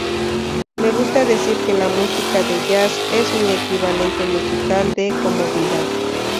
Me gusta decir que la música de jazz es mi equivalente musical de comodidad.